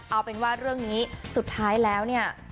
เอาเป็นว่าเรื่องนี้สุดท้ายแล้วเนี่ย